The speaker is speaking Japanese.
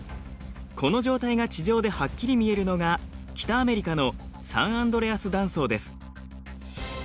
この状態が地上ではっきり見えるのが北アメリカのサンアンドレアス断層です。